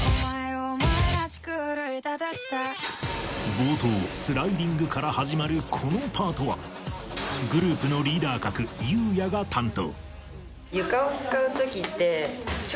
冒頭スライディングから始まるこのパートはグループのリーダー格雄哉が担当